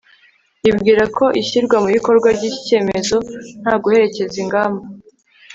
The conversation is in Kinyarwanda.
yibwira ko ishyirwa mu bikorwa ry'iki cyemezo, nta guherekeza ingamba